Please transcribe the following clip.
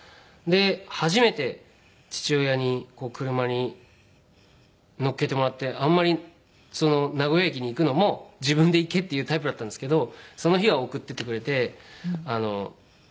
で初めて父親に車に乗っけてもらってあんまり名古屋駅に行くのも自分で行けっていうタイプだったんですけどその日は送っていってくれて。